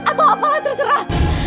atau apalah terserah